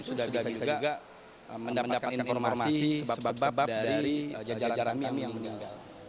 sudah juga mendapatkan informasi sebab sebab dari jajaran kami yang meninggal